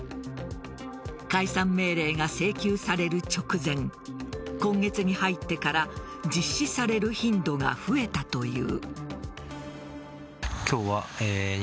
解散命令が請求される直前今月に入ってから実施される頻度が増えたという。